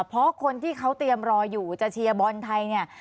เพราะคนที่เขาเตรียมรออยู่จะเชียร์บอลไทยเนี่ย